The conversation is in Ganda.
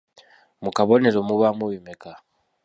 Mu kabonero mubaamu bimeka?